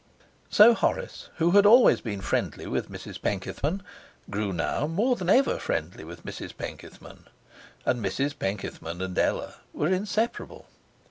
So Horace, who had always been friendly with Mrs Penkethman, grew now more than ever friendly with Mrs Penkethman. And Mrs Penkethman and Ella were inseparable.